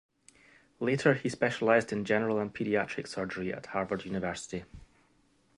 Later he specialized in general and pediatric surgery at Harvard University.